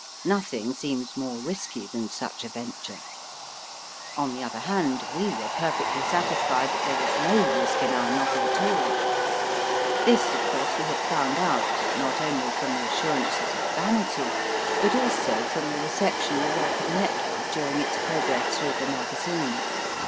Nothing seems more risky than such a venture. On the other hand, we were perfectly satisfied that there was no risk in our novel at all. This, of course, we had found out, not only from the assurances of Vanity, but also from the reception the work had met with during its progress through the magazine.